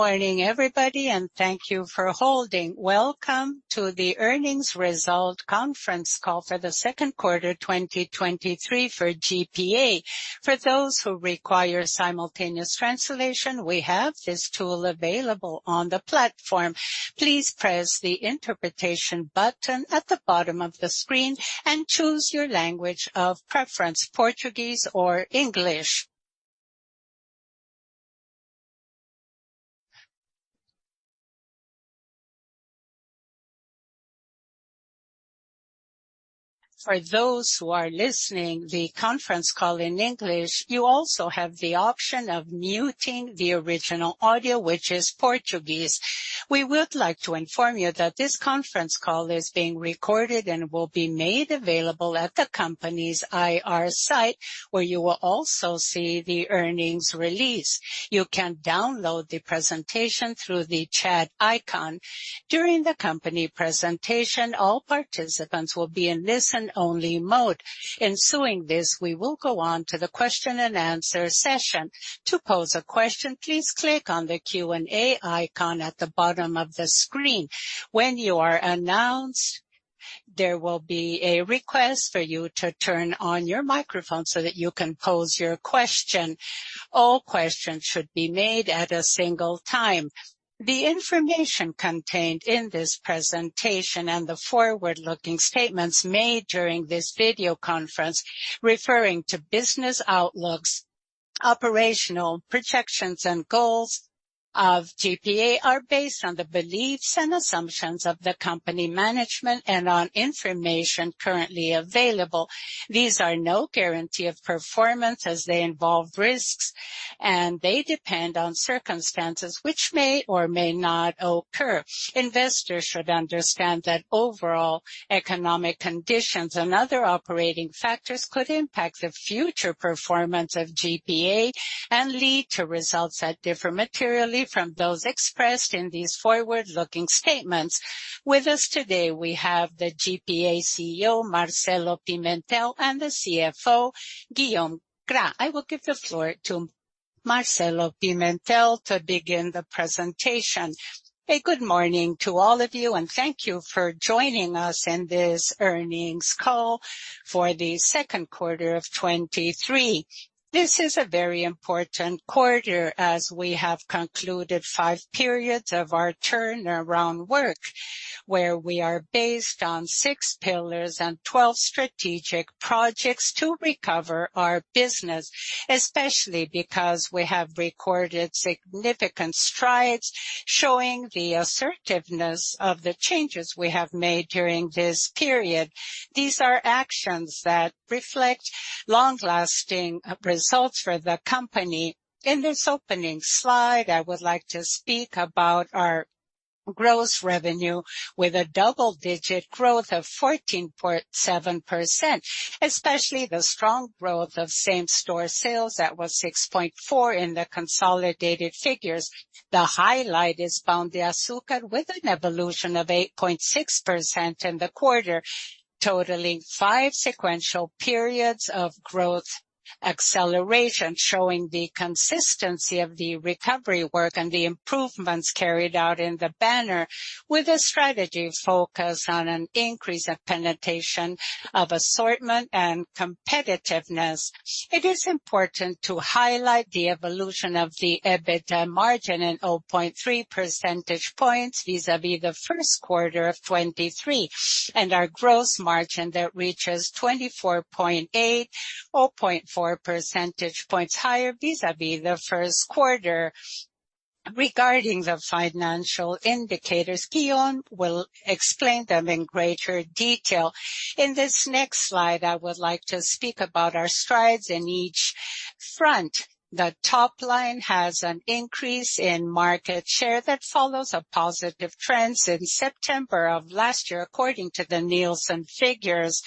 Good morning, everybody, thank you for holding. Welcome to the earnings result conference call for the second quarter 2023 for GPA. For those who require simultaneous translation, we have this tool available on the platform. Please press the interpretation button at the bottom of the screen and choose your language of preference, Portuguese or English. For those who are listening the conference call in English, you also have the option of muting the original audio, which is Portuguese. We would like to inform you that this conference call is being recorded and will be made available at the company's IR site, where you will also see the earnings release. You can download the presentation through the chat icon. During the company presentation, all participants will be in listen-only mode. Ensuing this, we will go on to the question-and-answer session. To pose a question, please click on the Q&A icon at the bottom of the screen. When you are announced, there will be a request for you to turn on your microphone so that you can pose your question. All questions should be made at a single time. The information contained in this presentation and the forward-looking statements made during this video conference, referring to business outlooks, operational projections, and goals of GPA, are based on the beliefs and assumptions of the company management and on information currently available. These are no guarantee of performance as they involve risks, and they depend on circumstances which may or may not occur. Investors should understand that overall economic conditions and other operating factors could impact the future performance of GPA and lead to results that differ materially from those expressed in these forward-looking statements. With us today, we have the GPA CEO Marcelo Pimentel and the CFO Guillaume Gras. I will give the floor to Marcelo Pimentel to begin the presentation. A good morning to all of you, and thank you for joining us in this earnings call for the second quarter of 2023. This is a very important quarter as we have concluded 5 periods of our turnaround work, where we are based on 6 pillars and 12 strategic projects to recover our business, especially because we have recorded significant strides showing the assertiveness of the changes we have made during this period. These are actions that reflect long-lasting results for the company. In this opening slide, I would like to speak about our gross revenue with a double-digit growth of 14.7%, especially the strong growth of same-store sales. That was 6.4% in the consolidated figures. The highlight is Pão de Açúcar, with an evolution of 8.6% in the quarter, totaling 5 sequential periods of growth acceleration, showing the consistency of the recovery work and the improvements carried out in the banner, with a strategy focused on an increase of penetration, of assortment, and competitiveness. It is important to highlight the evolution of the EBITDA margin in 0.3 percentage points, vis-à-vis the first quarter of 2023, and our gross margin that reaches 24.8, 0.4 percentage points higher, vis-à-vis the first quarter. Regarding the financial indicators, Guillaume will explain them in greater detail. In this next slide, I would like to speak about our strides in each front. The top line has an increase in market share that follows a positive trends in September of last year, according to the Nielsen figures.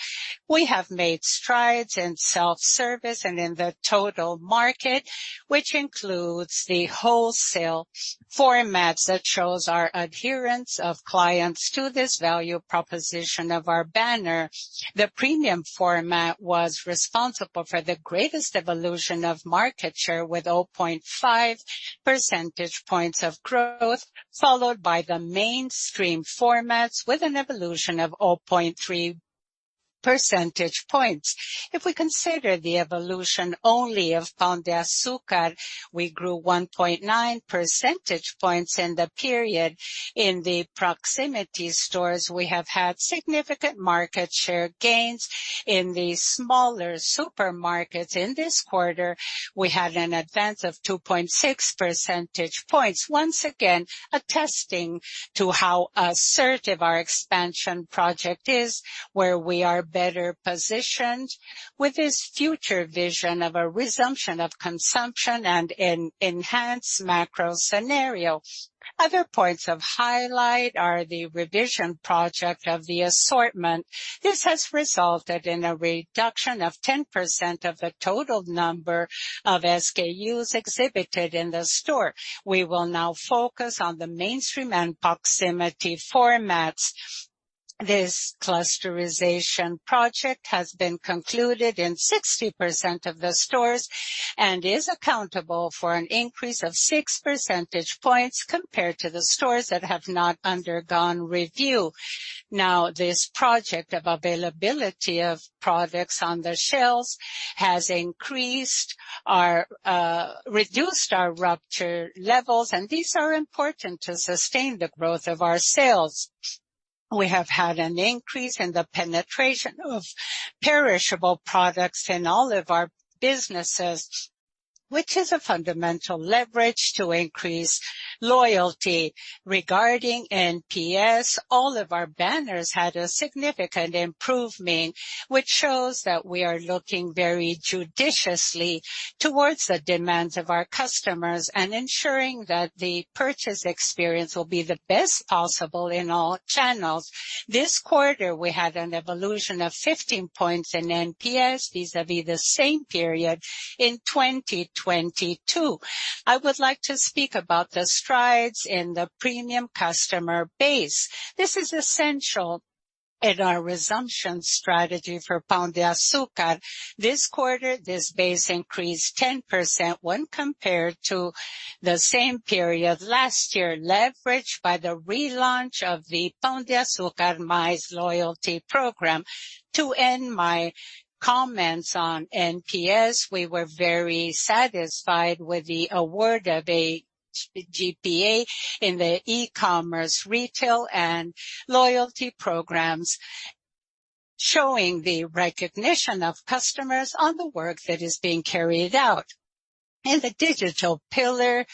We have made strides in self-service and in the total market, which includes the wholesale formats that shows our adherence of clients to this value proposition of our banner. The premium format was responsible for the greatest evolution of market share, with 0.5 percentage points of growth, followed by the mainstream formats, with an evolution of 0.3 percentage points. If we consider the evolution only of Pão de Açúcar, we grew 1.9 percentage points in the period. In the proximity stores, we have had significant market share gains. In the smaller supermarkets in this quarter, we had an advance of 2.6 percentage points, once again, attesting to how assertive our expansion project is, where we are better positioned with this future vision of a resumption of consumption and an enhanced macro scenario. Other points of highlight are the revision project of the assortment. This has resulted in a reduction of 10% of the total number of SKUs exhibited in the store. We will now focus on the mainstream and proximity formats. This clusterization project has been concluded in 60% of the stores and is accountable for an increase of 6 percentage points compared to the stores that have not undergone review. Now, this project of availability of products on the shelves has increased our, reduced our rupture levels. These are important to sustain the growth of our sales. We have had an increase in the penetration of perishable products in all of our businesses, which is a fundamental leverage to increase loyalty. Regarding NPS, all of our banners had a significant improvement, which shows that we are looking very judiciously towards the demands of our customers and ensuring that the purchase experience will be the best possible in all channels. This quarter, we had an evolution of 15 points in NPS vis-à-vis the same period in 2022. I would like to speak about the strides in the premium customer base. This is essential in our resumption strategy for Pão de Açúcar. This quarter, this base increased 10% when compared to the same period last year, leveraged by the relaunch of the Pão de Açúcar Mais loyalty program. To end my comments on NPS, we were very satisfied with the award of a GPA in the e-commerce, retail, and loyalty programs, showing the recognition of customers on the work that is being carried out. In the digital pillar,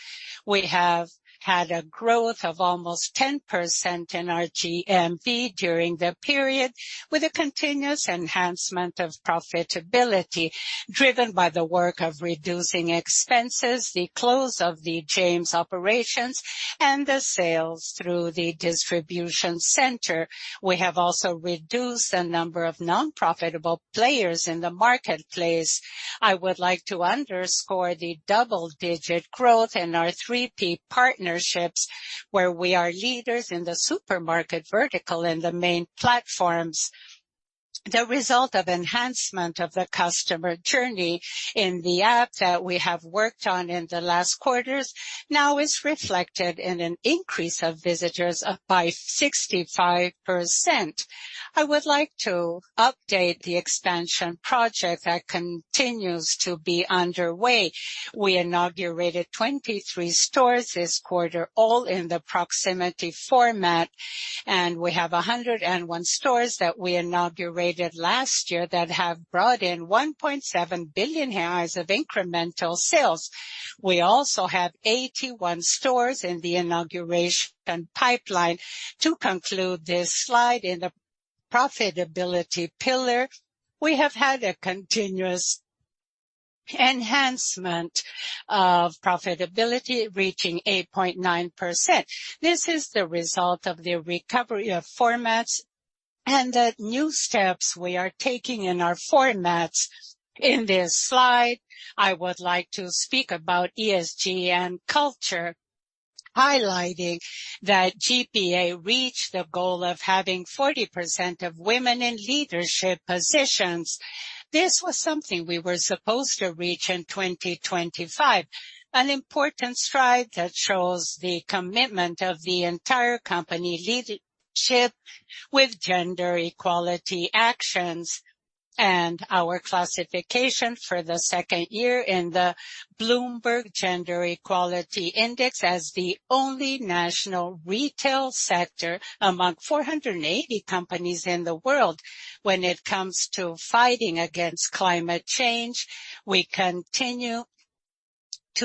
we have had a growth of almost 10% in our GMV during the period, with a continuous enhancement of profitability, driven by the work of reducing expenses, the close of the James operations, and the sales through the distribution center. We have also reduced the number of non-profitable players in the marketplace. I would like to underscore the double-digit growth in our 3P partnerships, where we are leaders in the supermarket vertical in the main platforms. The result of enhancement of the customer journey in the app that we have worked on in the last quarters now is reflected in an increase of visitors by 65%. I would like to update the expansion project that continues to be underway. We inaugurated 23 stores this quarter, all in the proximity format, and we have 101 stores that we inaugurated last year that have brought in 1.7 billion of incremental sales. We also have 81 stores in the inauguration pipeline. To conclude this slide, in the profitability pillar, we have had a continuous enhancement of profitability, reaching 8.9%. This is the result of the recovery of formats and the new steps we are taking in our formats. In this slide, I would like to speak about ESG and culture, highlighting that GPA reached the goal of having 40% of women in leadership positions. This was something we were supposed to reach in 2025. An important stride that shows the commitment of the entire company leadership with gender equality actions, and our classification for the second year in the Bloomberg Gender-Equality Index as the only national retail sector among 480 companies in the world. When it comes to fighting against climate change, we continue to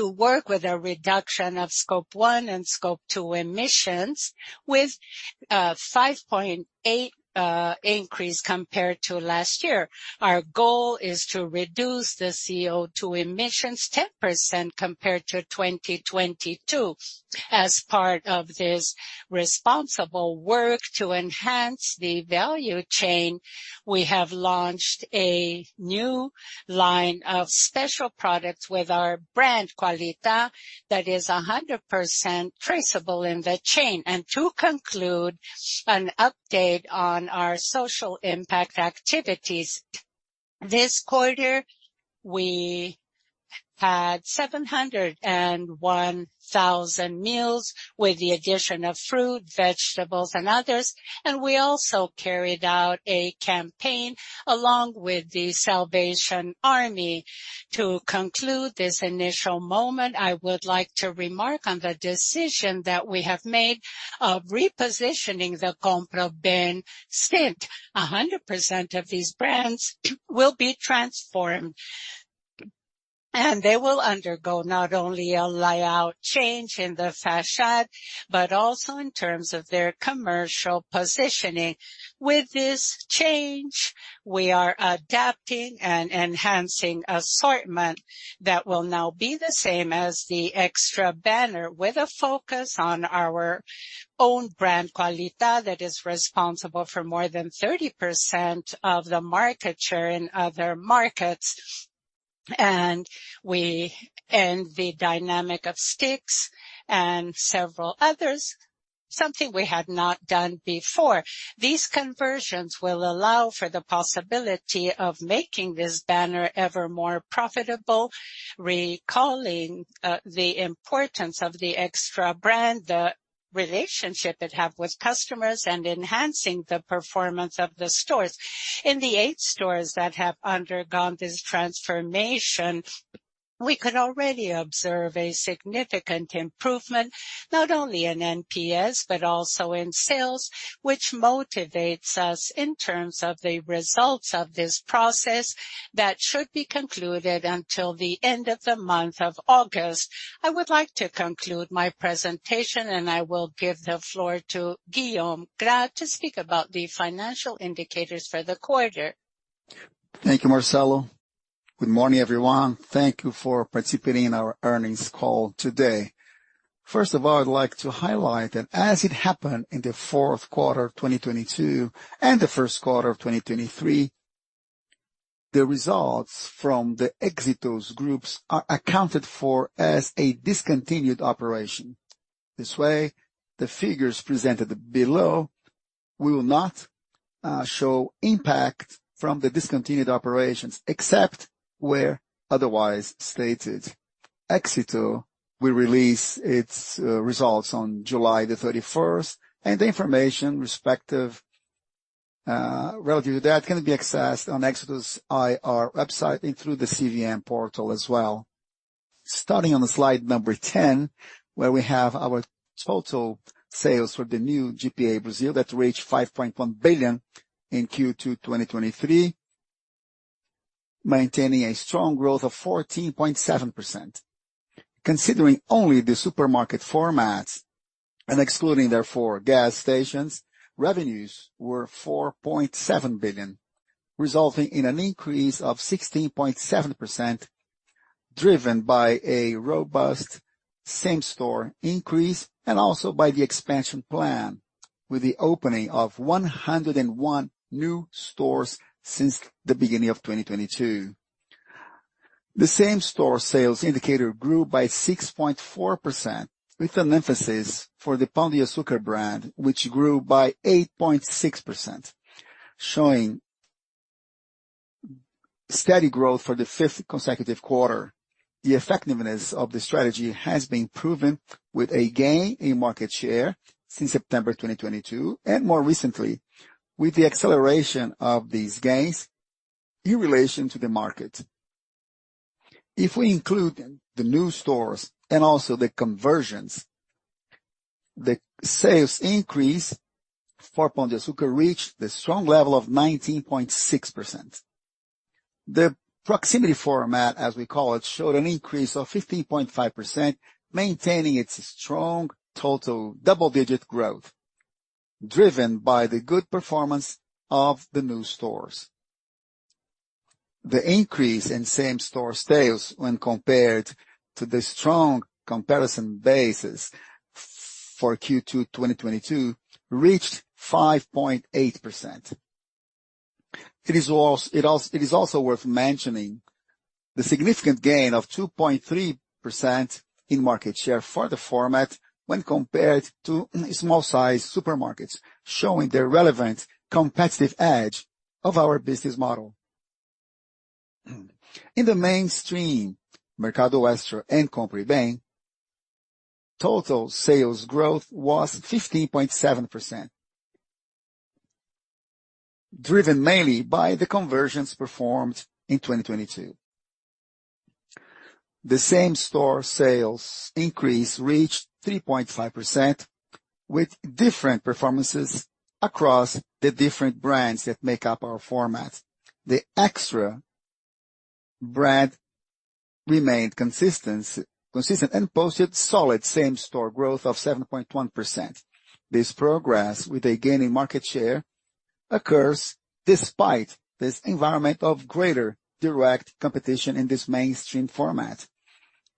work with a reduction of Scope 1 and Scope 2 emissions, with 5.8 increase compared to last year. Our goal is to reduce the CO2 emissions 10% compared to 2022. As part of this responsible work to enhance the value chain, we have launched a new line of special products with our brand, Qualitá, that is 100% traceable in the chain. To conclude, an update on our social impact activities. This quarter, we had 701,000 meals, with the addition of fruit, vegetables, and others. We also carried out a campaign along with The Salvation Army. To conclude this initial moment, I would like to remark on the decision that we have made of repositioning the Compre Bem brand. 100% of these brands will be transformed. They will undergo not only a layout change in the facade, but also in terms of their commercial positioning. With this change, we are adapting and enhancing assortment that will now be the same as the Extra banner, with a focus on our own brand, Qualitá, that is responsible for more than 30% of the market share in other markets. The dynamic of Stix and several others, something we had not done before. These conversions will allow for the possibility of making this banner ever more profitable, recalling, the importance of the Extra brand, the relationship it have with customers, and enhancing the performance of the stores. In the eight stores that have undergone this transformation, we could already observe a significant improvement, not only in NPS, but also in sales, which motivates us in terms of the results of this process that should be concluded until the end of the month of August. I will give the floor to Guillaume Gras, to speak about the financial indicators for the quarter. Thank you, Marcelo. Good morning, everyone. Thank you for participating in our earnings call today. First of all, I'd like to highlight that as it happened in the fourth quarter of 2022 and the first quarter of 2023, the results from the Groupo Éxito are accounted for as a discontinued operation. This way, the figures presented below will not show impact from the discontinued operations, except where otherwise stated. Éxito will release its results on July 31st, and the information respective relative to that, can be accessed on Éxito's IR website and through the CVM portal as well. Starting on the slide number 10, where we have our total sales for the Novo GPA Brazil, that reached 5.1 billion in Q2 2023, maintaining a strong growth of 14.7%. Considering only the supermarket formats and excluding therefore, gas stations, revenues were 4.7 billion, resulting in an increase of 16.7%, driven by a robust same-store increase and also by the expansion plan, with the opening of 101 new stores since the beginning of 2022. The same-store sales indicator grew by 6.4%, with an emphasis for the Pão de Açúcar brand, which grew by 8.6%, showing steady growth for the fifth consecutive quarter. The effectiveness of the strategy has been proven with a gain in market share since September 2022, and more recently, with the acceleration of these gains in relation to the market. If we include the new stores and also the conversions, the sales increase for Pão de Açúcar reached the strong level of 19.6%. The proximity format, as we call it, showed an increase of 15.5%, maintaining its strong total double-digit growth, driven by the good performance of the new stores. The increase in same-store sales when compared to the strong comparison basis for Q2, 2022, reached 5.8%. It is also worth mentioning the significant gain of 2.3% in market share for the format when compared to small sized supermarkets, showing the relevant competitive edge of our business model. In the mainstream, Mercado Extra and Compre Bem, total sales growth was 15.7%, driven mainly by the conversions performed in 2022. The same-store sales increase reached 3.5%, with different performances across the different brands that make up our formats. The Extra brand remained consistent and posted solid same-store growth of 7.1%. This progress with a gain in market share occurs despite this environment of greater direct competition in this mainstream format,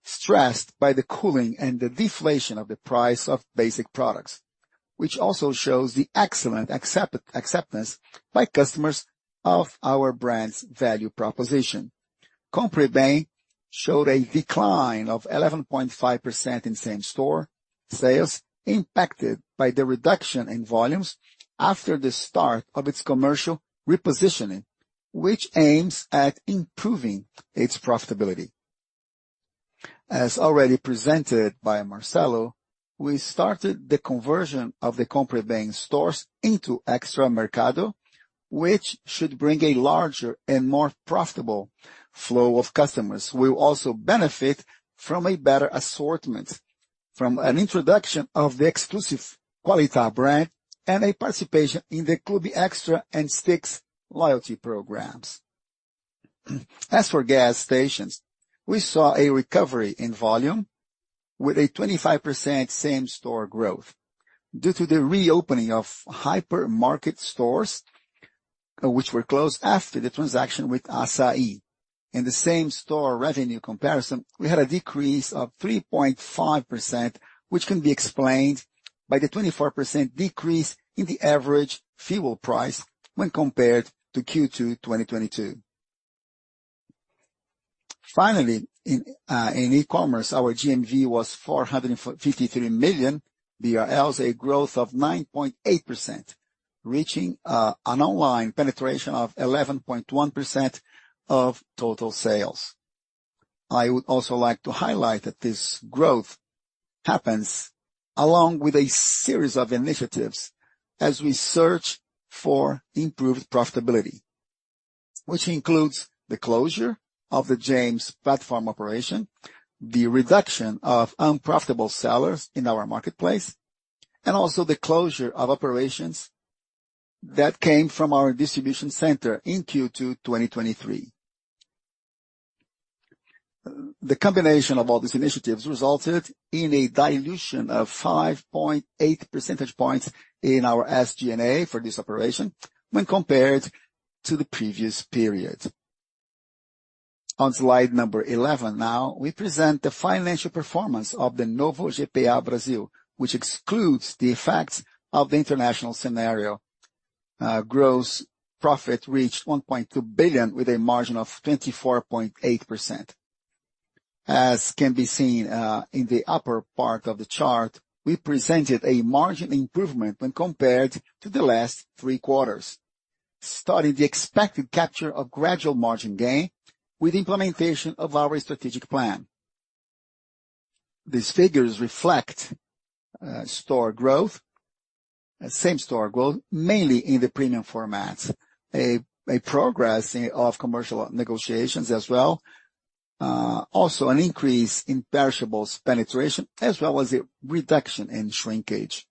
stressed by the cooling and the deflation of the price of basic products, which also shows the excellent acceptance by customers of our brand's value proposition. Compre Bem showed a decline of 11.5% in same-store sales, impacted by the reduction in volumes after the start of its commercial repositioning, which aims at improving its profitability. As already presented by Marcelo, we started the conversion of the Compre Bem stores into Extra Mercado, which should bring a larger and more profitable flow of customers. We will also benefit from a better assortment, from an introduction of the exclusive Qualitá brand and a participation in the Clube Extra and Stix loyalty programs. As for gas stations, we saw a recovery in volume with a 25% same-store growth due to the reopening of hypermarket stores which were closed after the transaction with Assaí. In the same-store revenue comparison, we had a decrease of 3.5%, which can be explained by the 24% decrease in the average fuel price when compared to Q2 2022. Finally, in e-commerce, our GMV was 453 million BRL, a growth of 9.8%, reaching an online penetration of 11.1% of total sales. I would also like to highlight that this growth happens along with a series of initiatives as we search for improved profitability, which includes the closure of the James platform operation, the reduction of unprofitable sellers in our marketplace, and also the closure of operations that came from our distribution center in Q2 2023. The combination of all these initiatives resulted in a dilution of 5.8 percentage points in our SG&A for this operation when compared to the previous period. On slide number 11, now, we present the financial performance of the Novo GPA Brazil, which excludes the effects of the international scenario. Gross profit reached 1.2 billion, with a margin of 24.8%. As can be seen, in the upper part of the chart, we presented a margin improvement when compared to the last three quarters, starting the expected capture of gradual margin gain with implementation of our strategic plan. These figures reflect store growth, same-store growth, mainly in the premium formats. A progress of commercial negotiations as well, also an increase in perishables penetration, as well as a reduction in shrinkage.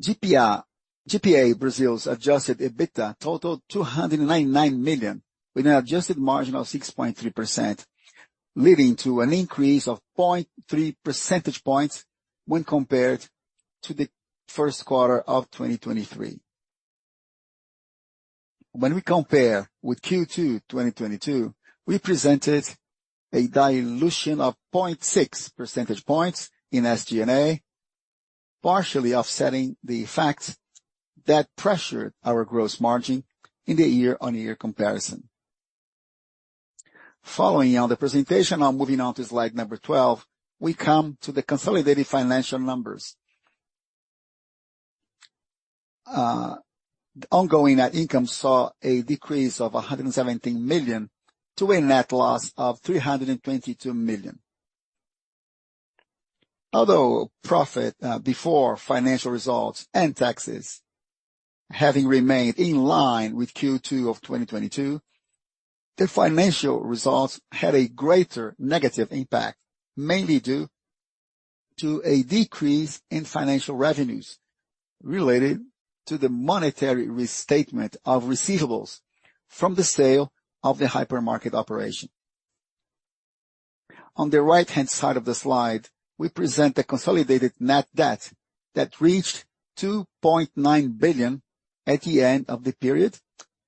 GPA Brazil's adjusted EBITDA totaled 299 million, with an adjusted margin of 6.3%, leading to an increase of 0.3 percentage points when compared to the first quarter of 2023. When we compare with Q2 2022, we presented a dilution of 0.6 percentage points in SG&A, partially offsetting the fact that pressured our gross margin in the year-on-year comparison. Following on the presentation, on moving on to slide number 12, we come to the consolidated financial numbers. The ongoing net income saw a decrease of 117 million to a net loss of 322 million. Profit before financial results and taxes, having remained in line with Q2 of 2022, the financial results had a greater negative impact, mainly due to a decrease in financial revenues related to the monetary restatement of receivables from the sale of the hypermarket operation. On the right-hand side of the slide, we present a consolidated net debt that reached 2.9 billion at the end of the period,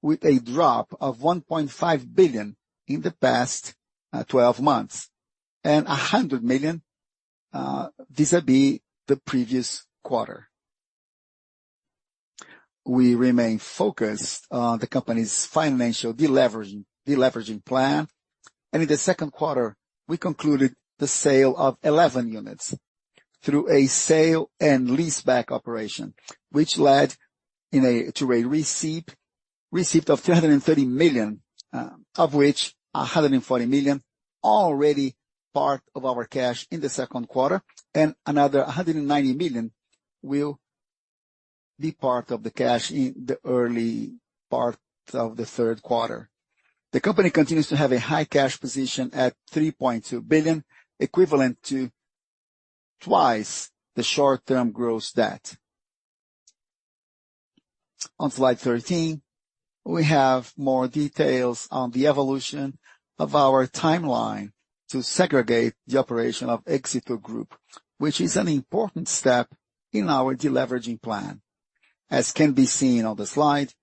with a drop of 1.5 billion in the past 12 months, and 100 million vis-a-vis the previous quarter. We remain focused on the company's financial deleveraging plan, and in the second quarter, we concluded the sale of 11 units through a sale and leaseback operation, which led to a receipt of 230 million, of which 140 million already part of our cash in the second quarter, and another 190 million will be part of the cash in the early part of the third quarter. The company continues to have a high cash position at 3.2 billion, equivalent to twice the short-term gross debt. On slide 13, we have more details on the evolution of our timeline to segregate the operation of Grupo Éxito, which is an important step in our deleveraging plan. As can be seen on the slide,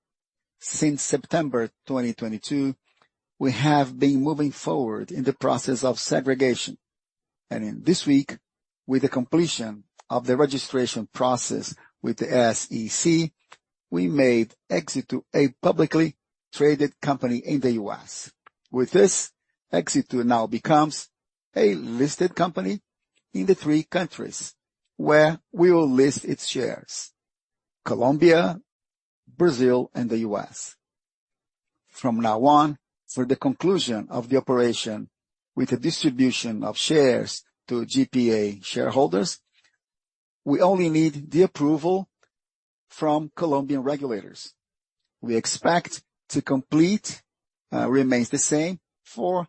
since September 2022, we have been moving forward in the process of segregation. In this week, with the completion of the registration process with the SEC, we made Éxito a publicly traded company in the U.S. With this, Éxito now becomes a listed company in the three countries where we will list its shares: Colombia, Brazil, and the U.S. From now on, for the conclusion of the operation with the distribution of shares to GPA shareholders, we only need the approval from Colombian regulators. We expect to complete, remains the same for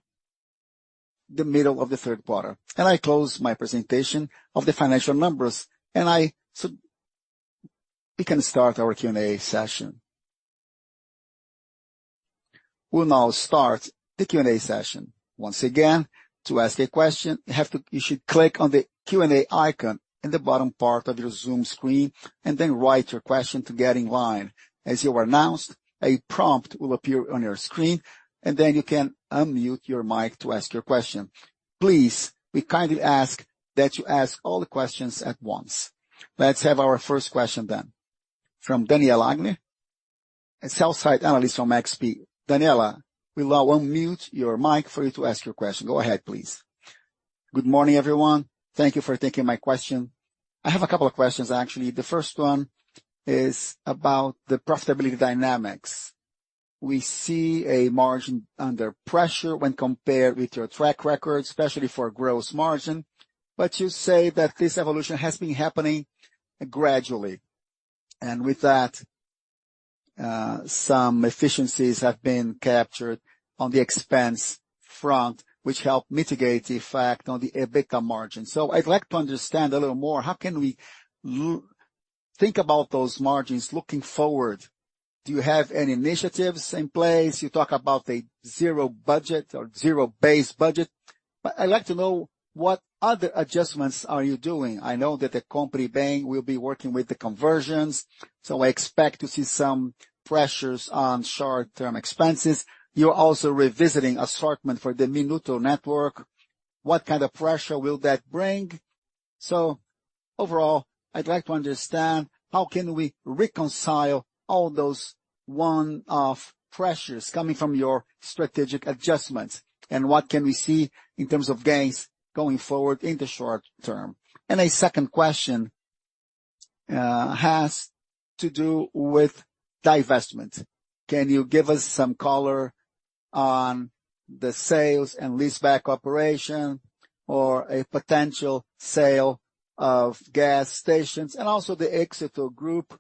the middle of the third quarter. I close my presentation of the financial numbers. We can start our Q&A session. We'll now start the Q&A session. Once again, to ask a question, you should click on the Q&A icon in the bottom part of your Zoom screen and then write your question to get in line. As you are announced, a prompt will appear on your screen, and then you can unmute your mic to ask your question. Please, we kindly ask that you ask all the questions at once. Let's have our first question then. From Daniella Eiger. A sell-side analyst from XP. Daniela, we will now unmute your mic for you to ask your question. Go ahead, please. Good morning, everyone. Thank you for taking my question. I have a couple of questions, actually. The first one is about the profitability dynamics. We see a margin under pressure when compared with your track record, especially for gross margin. You say that this evolution has been happening gradually. With that, some efficiencies have been captured on the expense front, which help mitigate the effect on the EBITDA margin. I'd like to understand a little more, how can we think about those margins looking forward? Do you have any initiatives in place? You talk about a zero budget or zero-based budget, but I'd like to know what other adjustments are you doing. I know that the company bank will be working with the conversions, so I expect to see some pressures on short-term expenses. You're also revisiting assortment for the Minuto network. What kind of pressure will that bring? Overall, I'd like to understand, how can we reconcile all those one-off pressures coming from your strategic adjustments, and what can we see in terms of gains going forward in the short term? A second question has to do with divestment. Can you give us some color on the sale and leaseback operation or a potential sale of gas stations and also the Grupo Éxito?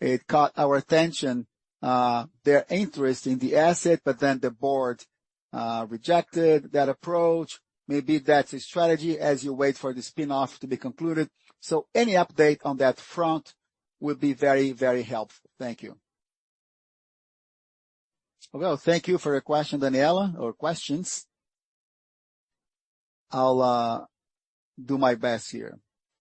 It caught our attention, their interest in the asset, but the board rejected that approach. Maybe that's a strategy as you wait for the spin-off to be concluded. Any update on that front would be very, very helpful. Thank you. Thank you for your question, Daniela, or questions. I'll do my best here.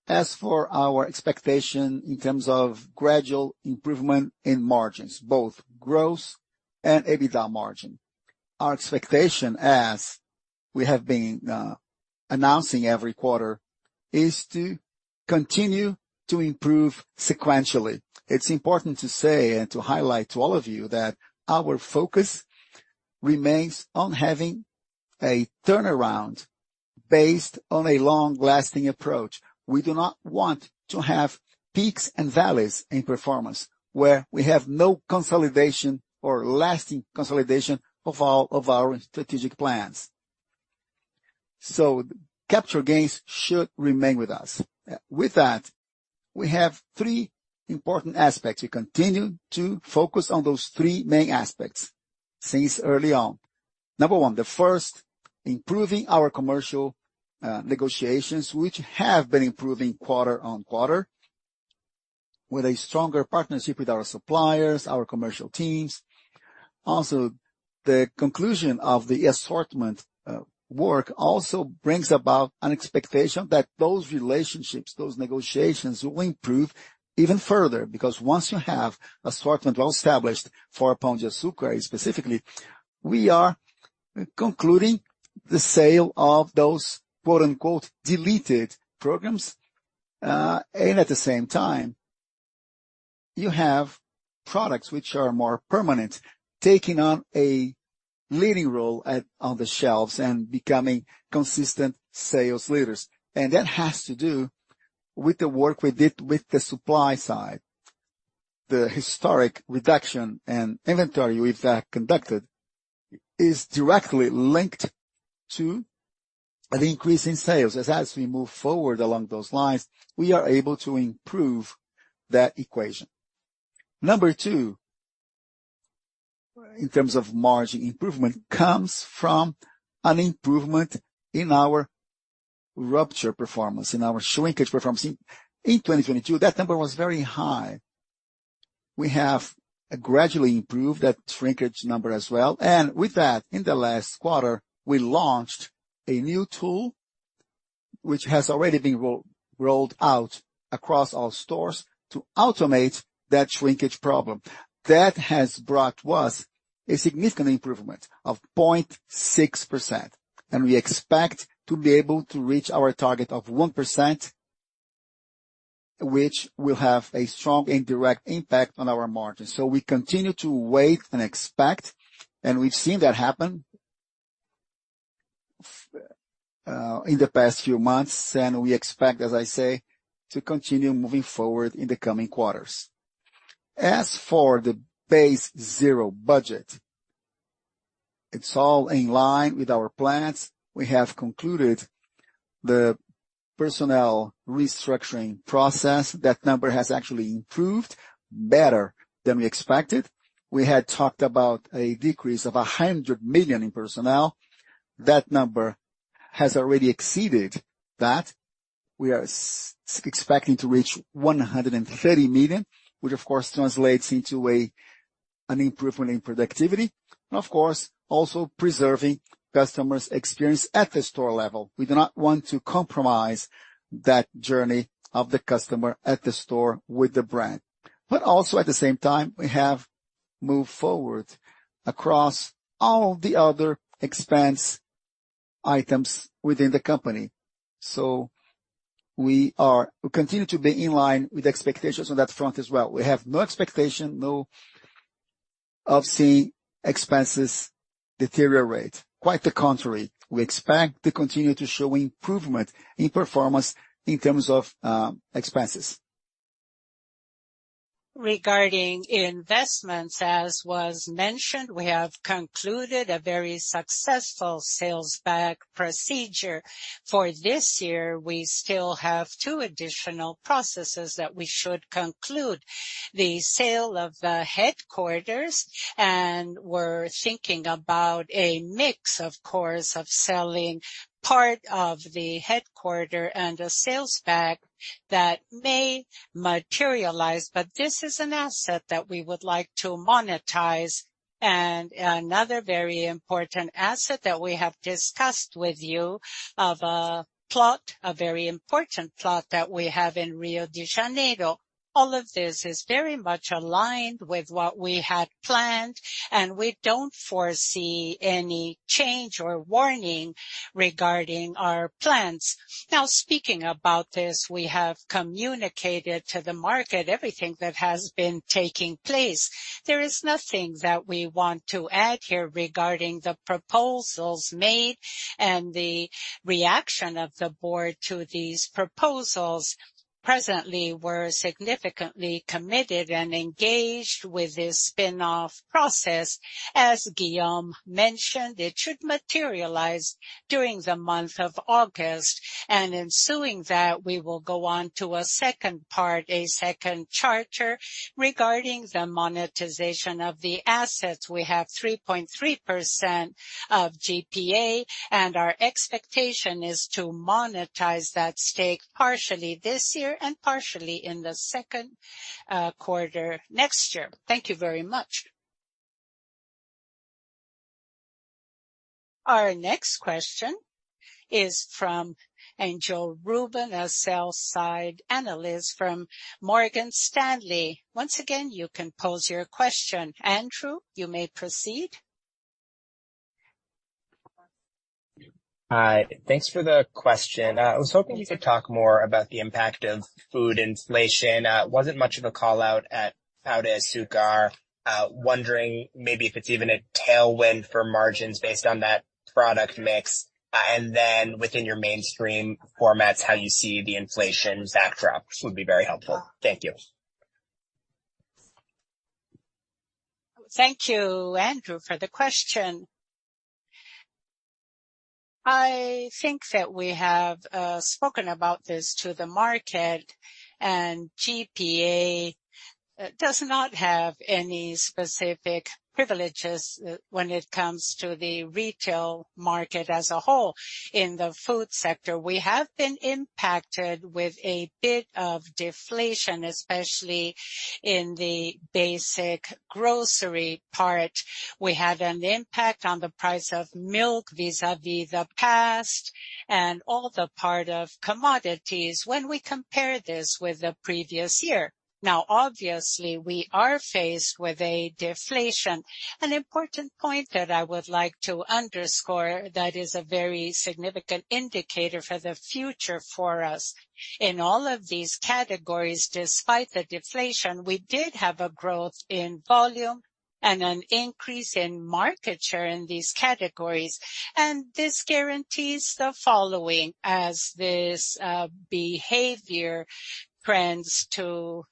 As for our expectation in terms of gradual improvement in margins, both gross and EBITDA margin, our expectation, as we have been announcing every quarter, is to continue to improve sequentially. It's important to say and to highlight to all of you that our focus remains on having a turnaround based on a long-lasting approach. We do not want to have peaks and valleys in performance, where we have no consolidation or lasting consolidation of all of our strategic plans. Capture gains should remain with us. With that, we have three important aspects. We continue to focus on those three main aspects since early on. Number one, the first, improving our commercial negotiations, which have been improving quarter-on-quarter, with a stronger partnership with our suppliers, our commercial teams. The conclusion of the assortment work also brings about an expectation that those relationships, those negotiations, will improve even further. Once you have assortment well established for Pão de Açúcar specifically, we are concluding the sale of those, quote-unquote, "deleted programs." At the same time, you have products which are more permanent, taking on a leading role on the shelves and becoming consistent sales leaders. That has to do with the work we did with the supply side. The historic reduction in inventory we've conducted is directly linked to an increase in sales. As we move forward along those lines, we are able to improve that equation. Number two, in terms of margin improvement, comes from an improvement in our rupture performance, in our shrinkage performance. In 2022, that number was very high. We have gradually improved that shrinkage number as well, and with that, in the last quarter, we launched a new tool which has already been rolled out across all stores to automate that shrinkage problem. That has brought us a significant improvement of 0.6%, and we expect to be able to reach our target of 1%, which will have a strong and direct impact on our margins. We continue to wait and expect, and we've seen that happen in the past few months, and we expect, as I say, to continue moving forward in the coming quarters. As for the zero-based budget, it's all in line with our plans. We have concluded the personnel restructuring process. That number has actually improved better than we expected. We had talked about a decrease of 100 million in personnel. That number has already exceeded that. We are expecting to reach 130 million, which of course translates into an improvement in productivity, and of course, also preserving customers' experience at the store level. We do not want to compromise that journey of the customer at the store with the brand. Also at the same time, we have moved forward across all the other expense areas, items within the company. We continue to be in line with expectations on that front as well. We have no expectation, no, of seeing expenses deteriorate. Quite the contrary, we expect to continue to show improvement in performance in terms of expenses. Regarding investments, as was mentioned, we have concluded a very successful sales back procedure. For this year, we still have two additional processes that we should conclude. The sale of the headquarters, and we're thinking about a mix, of course, of selling part of the headquarters and a sales back that may materialize, but this is an asset that we would like to monetize. Another very important asset that we have discussed with you of a plot, a very important plot that we have in Rio de Janeiro. All of this is very much aligned with what we had planned, and we don't foresee any change or warning regarding our plans. Speaking about this, we have communicated to the market everything that has been taking place. There is nothing that we want to add here regarding the proposals made and the reaction of the board to these proposals. Presently, we're significantly committed and engaged with this spin-off process. As Guillaume mentioned, it should materialize during the month of August, ensuing that, we will go on to a second part, a second charter, regarding the monetization of the assets. We have 3.3% of GPA. Our expectation is to monetize that stake partially this year and partially in the second quarter next year. Thank you very much. Our next question is from Andrew Ruben, a Sell side analyst from Morgan Stanley. Once again, you can pose your question. Andrew, you may proceed. Hi, thanks for the question. I was hoping you could talk more about the impact of food inflation. Wasn't much of a call-out at Pão de Açúcar. Wondering maybe if it's even a tailwind for margins based on that product mix, and then within your mainstream formats, how you see the inflation backdrop, which would be very helpful. Thank you. Thank you, Andrew, for the question. I think that we have spoken about this to the market. GPA does not have any specific privileges when it comes to the retail market as a whole. In the food sector, we have been impacted with a bit of deflation, especially in the basic grocery part. We had an impact on the price of milk vis-a-vis the past and all the part of commodities when we compare this with the previous year. Obviously, we are faced with a deflation. An important point that I would like to underscore that is a very significant indicator for the future for us. In all of these categories, despite the deflation, we did have a growth in volume and an increase in market share in these categories. This guarantees the following: as this behavior trends to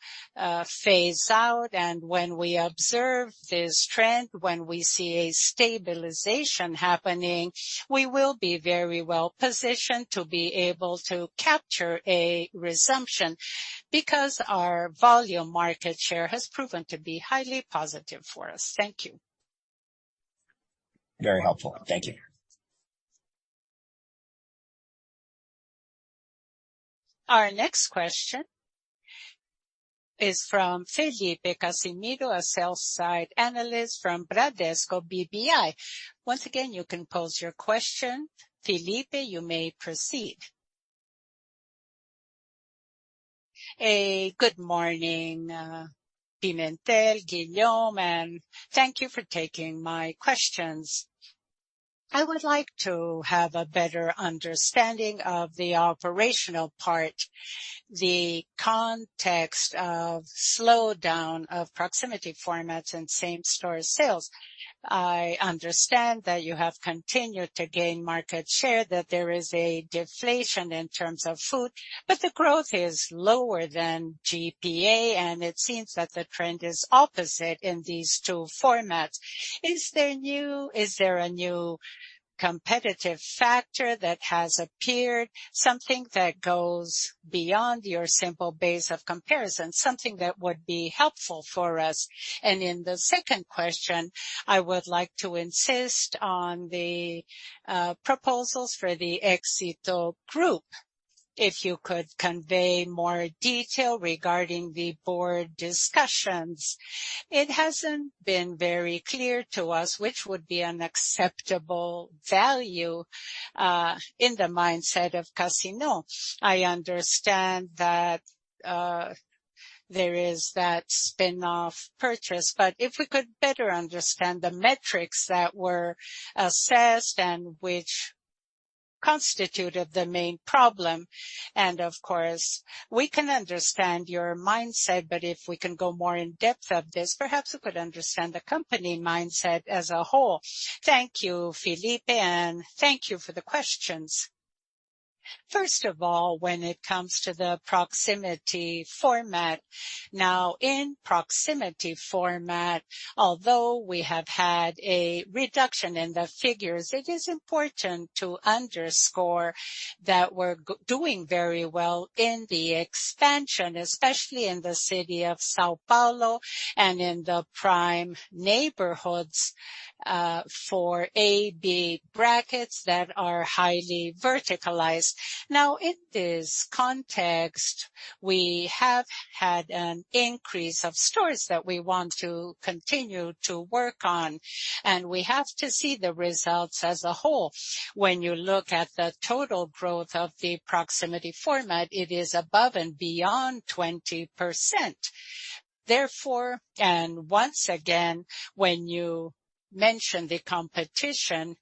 phase out and when we observe this trend, when we see a stabilization happening, we will be very well positioned to be able to capture a resumption, because our volume market share has proven to be highly positive for us. Thank you. Very helpful. Thank you. Our next question is from Felipe Cassimiro, a sell side analyst from Bradesco BBI. Once again, you can pose your question. Felipe, you may proceed. Good morning, Pimentel, Guillaume, and thank you for taking my questions. I would like to have a better understanding of the operational part, the context of slowdown of proximity formats and same-store sales. I understand that you have continued to gain market share, that there is a deflation in terms of food, but the growth is lower than GPA, and it seems that the trend is opposite in these two formats. Is there a new competitive factor that has appeared, something that goes beyond your simple base of comparison, something that would be helpful for us? In the second question, I would like to insist on the proposals for the Exito group. If you could convey more detail regarding the board discussions. It hasn't been very clear to us, which would be an acceptable value, in the mindset of Casino. I understand that, There is that spin-off purchase. If we could better understand the metrics that were assessed and which constituted the main problem, and of course, we can understand your mindset, but if we can go more in depth of this, perhaps we could understand the company mindset as a whole. Thank you, Philippe, and thank you for the questions. First of all, when it comes to the proximity format, now in proximity format, although we have had a reduction in the figures, it is important to underscore that we're doing very well in the expansion, especially in the city of São Paulo and in the prime neighborhoods, for AB brackets that are highly verticalized. In this context, we have had an increase of stores that we want to continue to work on, and we have to see the results as a whole. When you look at the total growth of the proximity format, it is above and beyond 20%. Once again, when you mention the competition,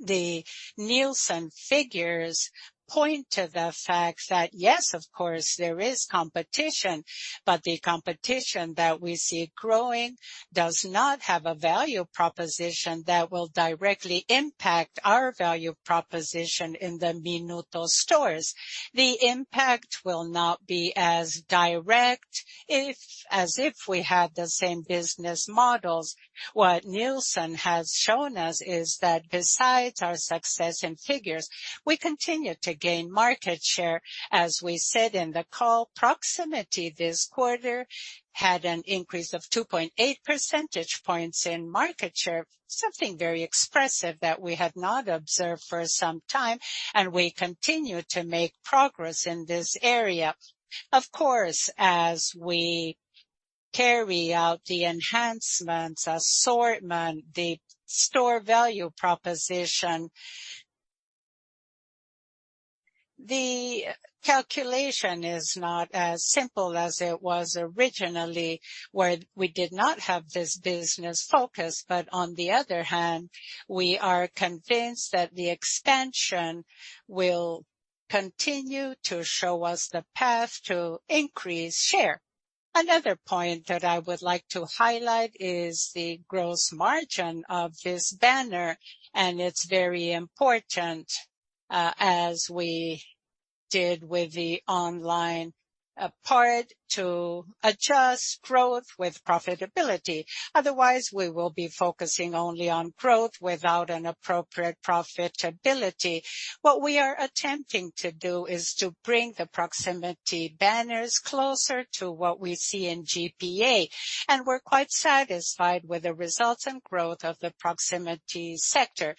the Nielsen figures point to the fact that, yes, of course, there is competition, but the competition that we see growing does not have a value proposition that will directly impact our value proposition in the Minuto stores. The impact will not be as direct as if we have the same business models. What Nielsen has shown us is that besides our success in figures, we continue to gain market share. We said in the call, proximity this quarter had an increase of 2.8 percentage points in market share, something very expressive that we had not observed for some time, and we continue to make progress in this area. Of course, as we carry out the enhancements, assortment, the store value proposition, the calculation is not as simple as it was originally, where we did not have this business focus. On the other hand, we are convinced that the expansion will continue to show us the path to increase share. Another point that I would like to highlight is the gross margin of this banner. It's very important, as we did with the online part, to adjust growth with profitability. Otherwise, we will be focusing only on growth without an appropriate profitability. What we are attempting to do is to bring the proximity banners closer to what we see in GPA, and we're quite satisfied with the results and growth of the proximity sector.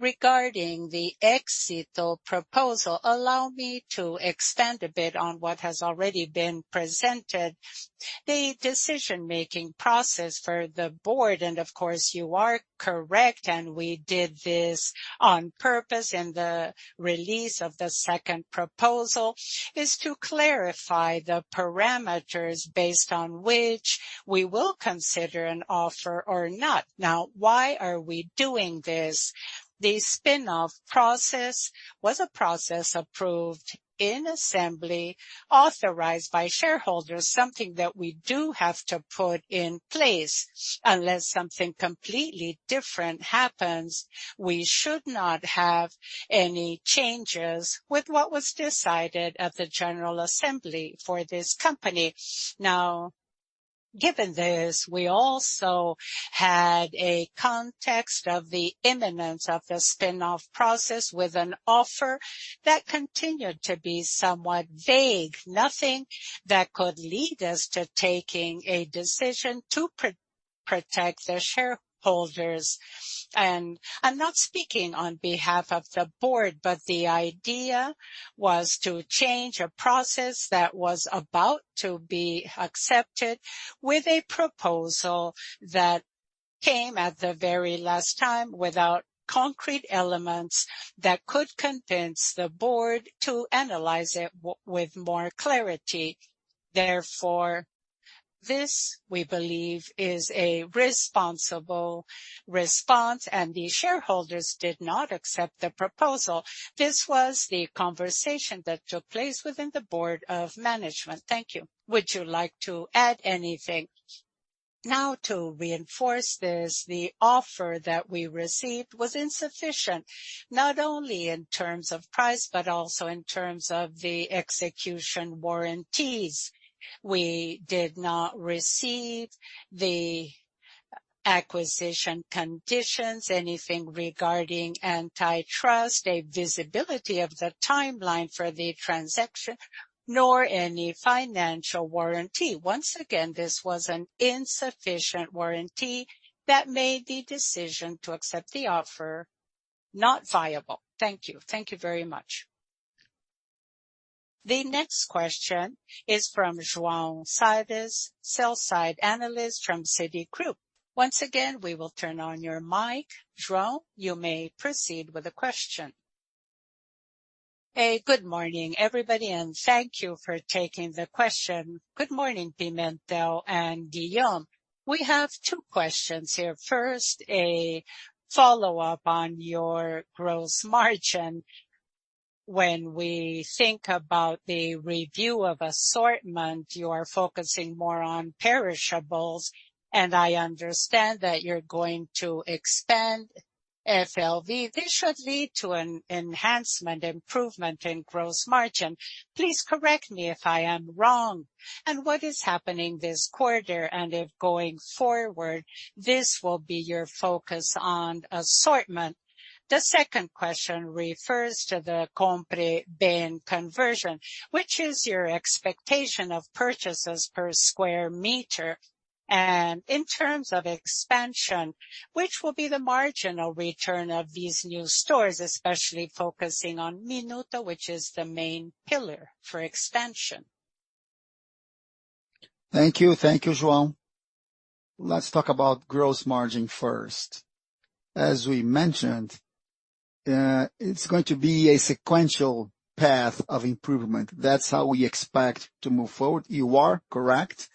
Regarding the Éxito proposal, allow me to expand a bit on what has already been presented. The decision-making process for the board, and of course, you are correct, and we did this on purpose in the release of the second proposal, is to clarify the parameters based on which we will consider an offer or not. Why are we doing this? The spin-off process was a process approved in assembly, authorized by shareholders, something that we do have to put in place. Unless something completely different happens, we should not have any changes with what was decided at the general assembly for this company. Given this, we also had a context of the imminence of the spin-off process with an offer that continued to be somewhat vague, nothing that could lead us to taking a decision to protect the shareholders. I'm not speaking on behalf of the board, but the idea was to change a process that was about to be accepted with a proposal that came at the very last time without concrete elements that could convince the board to analyze it with more clarity. This, we believe, is a responsible response, and the shareholders did not accept the proposal. This was the conversation that took place within the board of management. Thank you. Would you like to add anything? To reinforce this, the offer that we received was insufficient, not only in terms of price, but also in terms of the execution warranties. We did not receive the acquisition conditions, anything regarding antitrust, a visibility of the timeline for the transaction, nor any financial warranty. This was an insufficient warranty that made the decision to accept the offer not viable. Thank you. Thank you very much. The next question is from João Pedro Soares, sell side analyst from Citigroup. We will turn on your mic. João, you may proceed with the question. Good morning, everybody, thank you for taking the question. Good morning, Pimentel and Guillaume. We have two questions here. First, a follow-up on your gross margin. When we think about the review of assortment, you are focusing more on perishables, I understand that you're going to expand FLV. This should lead to an enhancement, improvement in gross margin. Please correct me if I am wrong. What is happening this quarter, and if going forward, this will be your focus on assortment. The second question refers to the Compre Bem conversion, which is your expectation of purchases per square meter, and in terms of expansion, which will be the marginal return of these new stores, especially focusing on Minuto, which is the main pillar for expansion. Thank you. Thank you, João. Let's talk about gross margin first. As we mentioned, it's going to be a sequential path of improvement. That's how we expect to move forward. You are correct.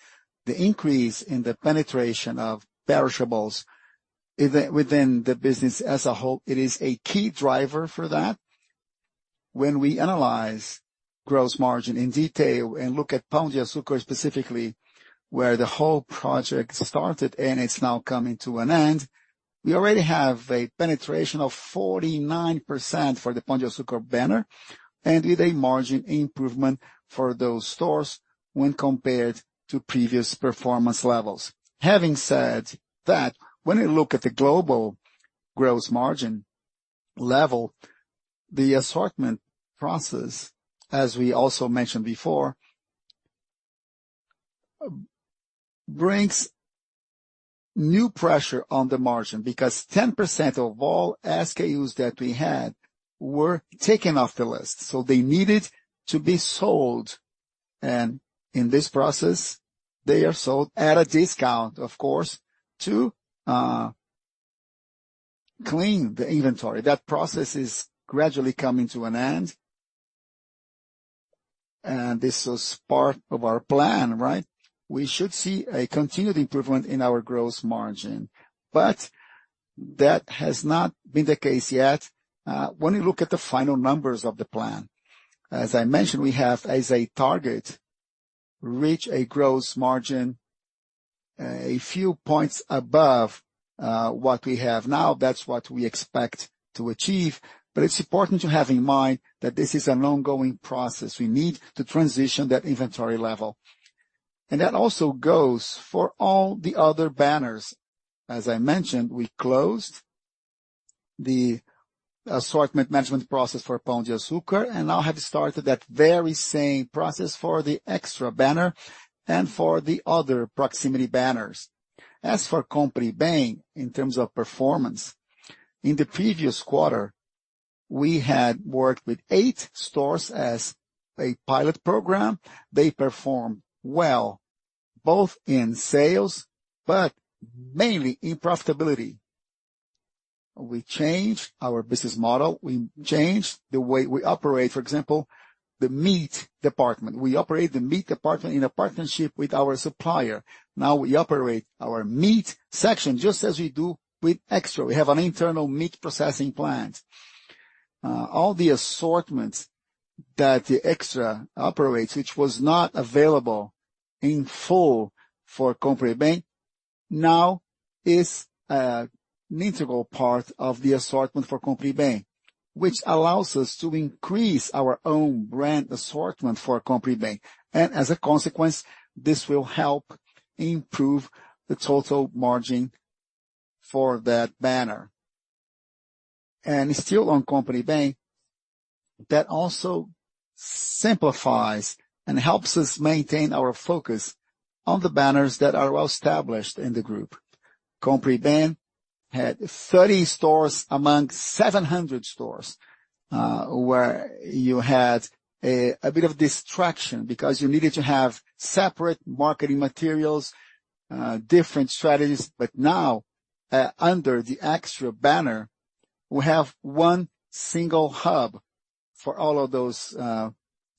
The increase in the penetration of perishables, even within the business as a whole, it is a key driver for that. When we analyze gross margin in detail and look at Pão de Açúcar specifically, where the whole project started and it's now coming to an end, we already have a penetration of 49% for the Pão de Açúcar banner, and with a margin improvement for those stores when compared to previous performance levels. Having said that, when we look at the global gross margin level, the assortment process, as we also mentioned before, brings new pressure on the margin because 10% of all SKUs that we had were taken off the list, so they needed to be sold, and in this process they are sold at a discount, of course, to clean the inventory. That process is gradually coming to an end. This was part of our plan, right? We should see a continued improvement in our gross margin, but that has not been the case yet. When you look at the final numbers of the plan, as I mentioned, we have as a target, reach a gross margin a few points above what we have now. That's what we expect to achieve. It's important to have in mind that this is an ongoing process. We need to transition that inventory level, and that also goes for all the other banners. As I mentioned, we closed the assortment management process for Pão de Açúcar and now have started that very same process for the Extra banner and for the other proximity banners. As for Compre Bem, in terms of performance, in the previous quarter, we had worked with eight stores as a pilot program. They performed well, both in sales but mainly in profitability. We changed our business model. We changed the way we operate. For example, the meat department. We operate the meat department in a partnership with our supplier. Now we operate our meat section just as we do with Extra. We have an internal meat processing plant. All the assortments that the Extra operates, which was not available in full for Compre Bem, now is an integral part of the assortment for Compre Bem, which allows us to increase our own brand assortment for Compre Bem, and as a consequence, this will help improve the total margin for that banner. Still on Compre Bem, that also simplifies and helps us maintain our focus on the banners that are well established in the group. Compre Bem had 30 stores among 700 stores, where you had a, a bit of distraction because you needed to have separate marketing materials, different strategies. Now, under the Extra banner, we have one single hub for all of those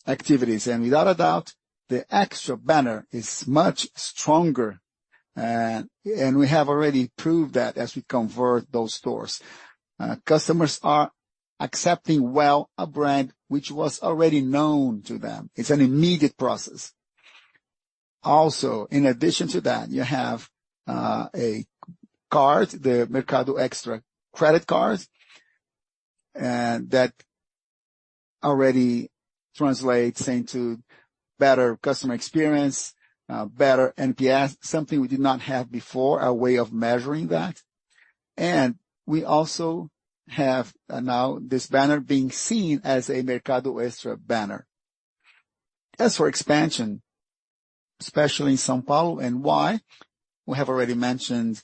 activities. Without a doubt, the Extra banner is much stronger, and we have already proved that as we convert those stores. Customers are accepting well a brand which was already known to them. It's an immediate process. In addition to that, you have a card, the Mercado Extra credit card, and that already translates into better customer experience, better NPS, something we did not have before, a way of measuring that. We also have now this banner being seen as a Mercado Extra banner. As for expansion, especially in São Paulo and why? We have already mentioned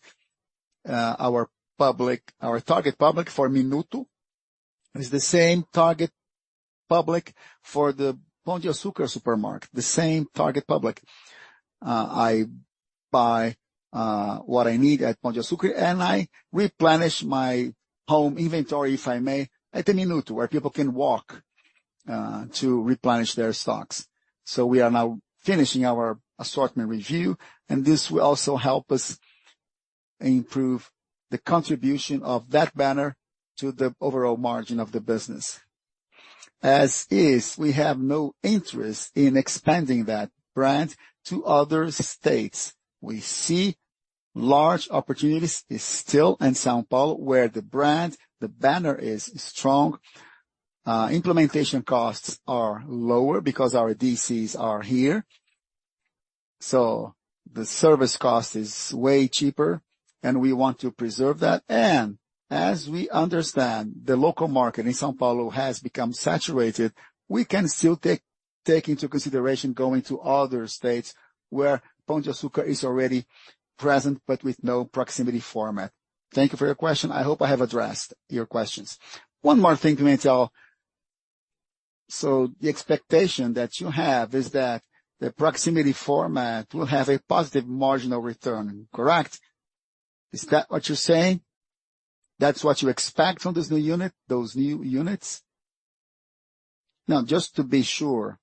our public, our target public for Minuto is the same target public for the Pão de Açúcar supermarket, the same target public. I buy what I need at Pão de Açúcar, and I replenish my home inventory, if I may, at the Minuto, where people can walk to replenish their stocks. We are now finishing our assortment review, and this will also help us improve the contribution of that banner to the overall margin of the business. As is, we have no interest in expanding that brand to other states. We see large opportunities still in São Paulo, where the brand, the banner is strong. Implementation costs are lower because our DCs are here, so the service cost is way cheaper, and we want to preserve that. As we understand, the local market in São Paulo has become saturated. We can still take into consideration going to other states where Pão de Açúcar is already present, but with no proximity format. Thank you for your question. I hope I have addressed your questions. One more thing, Mateo. The expectation that you have is that the proximity format will have a positive marginal return, correct? Is that what you're saying? That's what you expect from this new unit, those new units? Now, just to be sure,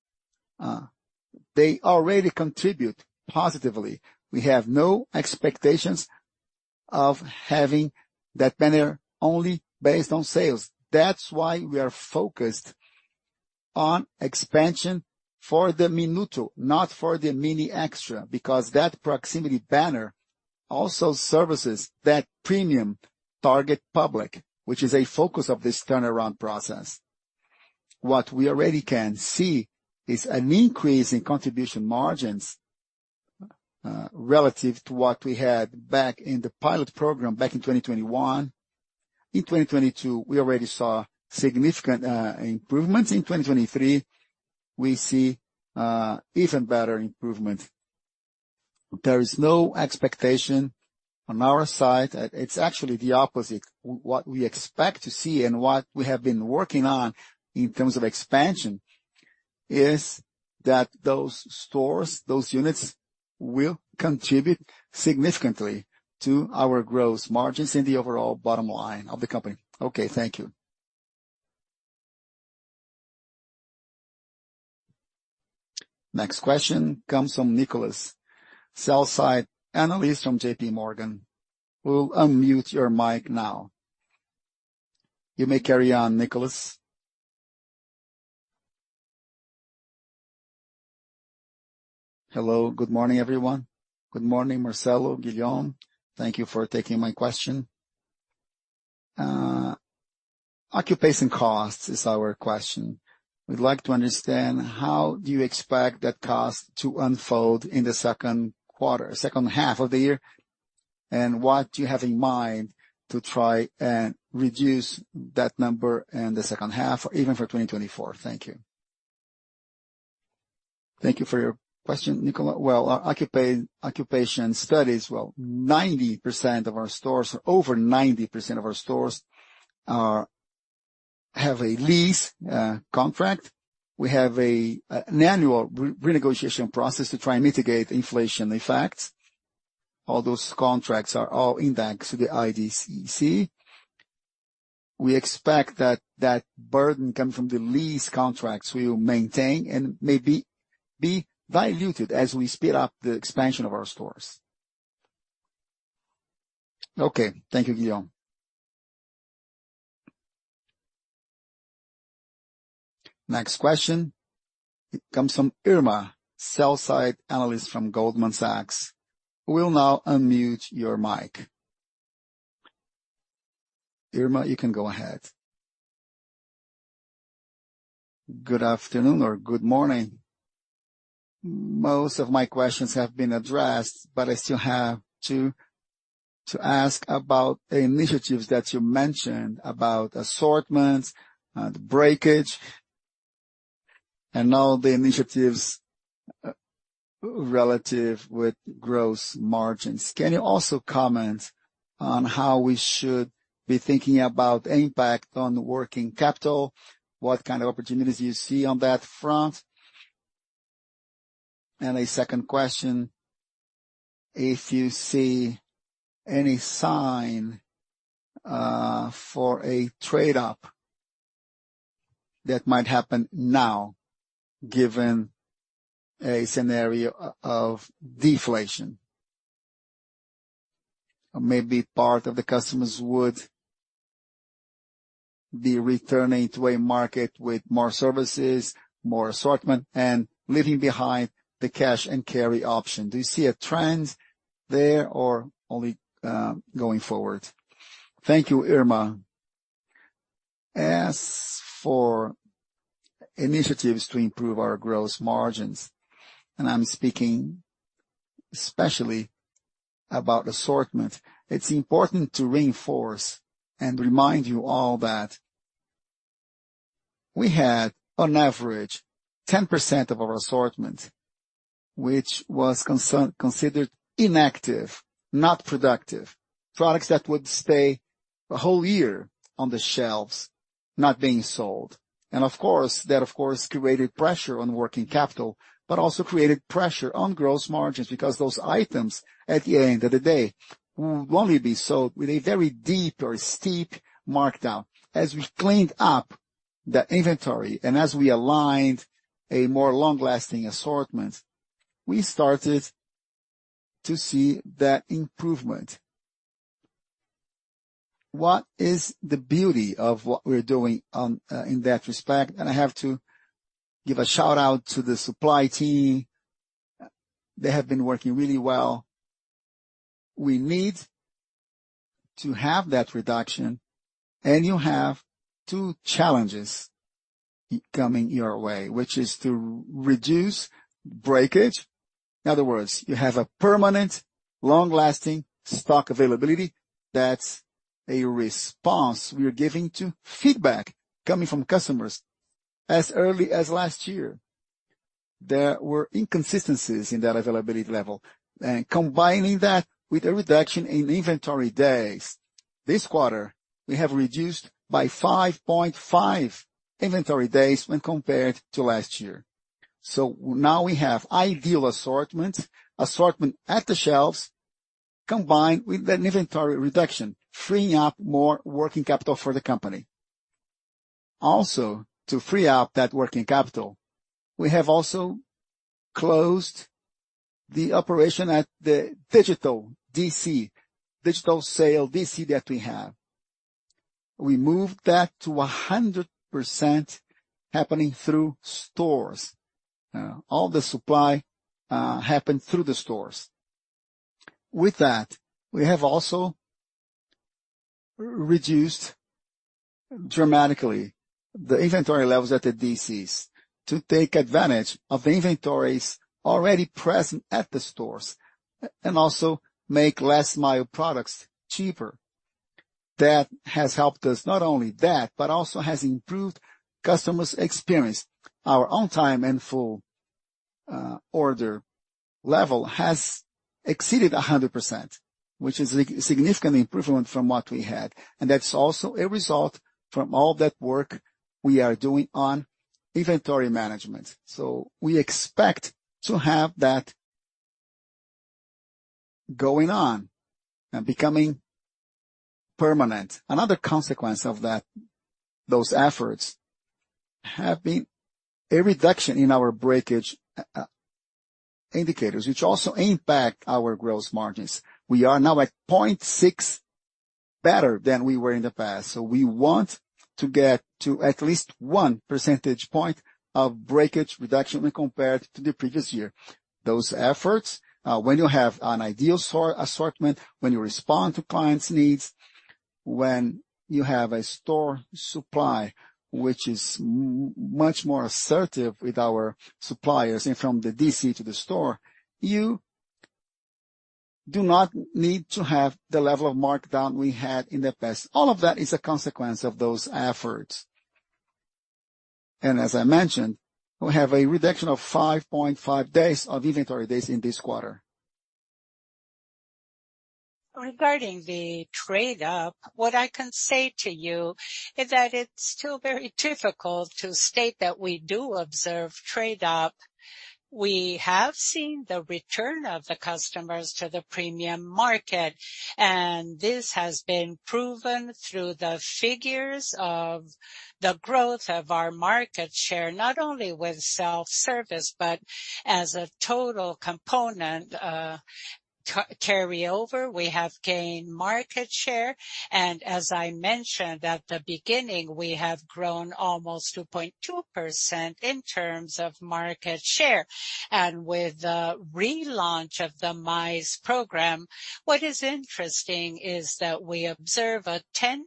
they already contribute positively. We have no expectations of having that banner only based on sales. That's why we are focused on expansion for the Minuto, not for the Mini Extra, because that proximity banner also services that premium target public, which is a focus of this turnaround process. What we already can see is an increase in contribution margins, relative to what we had back in the pilot program back in 2021. In 2022, we already saw significant improvements. In 2023, we see even better improvement. There is no expectation on our side. It's actually the opposite. What we expect to see and what we have been working on in terms of expansion is that those stores, those units, will contribute significantly to our gross margins in the overall bottom line of the company. Okay, thank you. Next question comes from Nicholas, sell side analyst from JP Morgan. We'll unmute your mic now. You may carry on, Nicholas. Hello, good morning, everyone. Good morning, Marcelo, Guillaume. Thank you for taking my question. Occupation costs is our question. We'd like to understand, how do you expect that cost to unfold in the second quarter, second half of the year? What do you have in mind to try and reduce that number in the second half or even for 2024? Thank you. Thank you for your question, Nicholas. Well, our occupation studies, well, 90% of our stores, over 90% of our stores, have a lease contract. We have an annual renegotiation process to try and mitigate inflation effects. All those contracts are all indexed to the IDCC. We expect that that burden coming from the lease contracts will maintain and maybe be diluted as we speed up the expansion of our stores. Okay. Thank you, Guillaume. Next question comes from Irma, Sell side analyst from Goldman Sachs. We'll now unmute your mic. Irma, you can go ahead. Good afternoon or good morning. Most of my questions have been addressed, but I still have to ask about the initiatives that you mentioned about assortments, the breakage, and all the initiatives relative with gross margins. Can you also comment on how we should be thinking about impact on working capital? What kind of opportunities do you see on that front? A second question, if you see any sign for a trade up that might happen now, given a scenario of deflation, maybe part of the customers would be returning to a market with more services, more assortment, and leaving behind the cash and carry option. Do you see a trend there or only going forward? Thank you, Irma. As for initiatives to improve our gross margins, I'm speaking especially about assortment, it's important to reinforce and remind you all that we had on average, 10% of our assortment, which was considered inactive, not productive, products that would stay a whole year on the shelves, not being sold. Of course, that, of course, created pressure on working capital, but also created pressure on gross margins, because those items, at the end of the day, will only be sold with a very deep or steep markdown. As we cleaned up the inventory and as we aligned a more long-lasting assortment, we started to see that improvement. What is the beauty of what we're doing on in that respect, and I have to give a shout-out to the supply team. They have been working really well. We need to have that reduction, and you have two challenges coming your way, which is to reduce breakage. In other words, you have a permanent, long-lasting stock availability. That's a response we are giving to feedback coming from customers. As early as last year, there were inconsistencies in that availability level, and combining that with a reduction in inventory days, this quarter, we have reduced by 5.5 inventory days when compared to last year. Now we have ideal assortments, assortment at the shelves, combined with an inventory reduction, freeing up more working capital for the company. Also, to free up that working capital, we have also closed the operation at the digital DC, digital sale DC, that we have. We moved that to 100% happening through stores. All the supply happened through the stores. With that, we have also reduced dramatically the inventory levels at the DCs to take advantage of the inventories already present at the stores and also make Last Mile products cheaper. That has helped us. Not only that, also has improved customers' experience. Our on-time and full order level has exceeded 100%, which is a significant improvement from what we had, and that's also a result from all that work we are doing on inventory management. We expect to have that going on and becoming permanent. Another consequence of that, those efforts, have been a reduction in our breakage indicators, which also impact our gross margins. We are now at 0.6 better than we were in the past, so we want to get to at least 1 percentage point of breakage reduction when compared to the previous year. Those efforts, when you have an ideal assortment, when you respond to clients' needs, when you have a store supply which is much more assertive with our suppliers and from the DC to the store, you do not need to have the level of markdown we had in the past. All of that is a consequence of those efforts. As I mentioned, we have a reduction of 5.5 days of inventory days in this quarter. Regarding the trade up, what I can say to you is that it's still very difficult to state that we do observe trade up. We have seen the return of the customers to the premium market. This has been proven through the figures of the growth of our market share, not only with self-service, but as a total component, carryover, we have gained market share. As I mentioned at the beginning, we have grown almost 2.2% in terms of market share. With the relaunch of the MICE program, what is interesting is that we observe a 10%